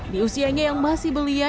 di usianya yang masih belia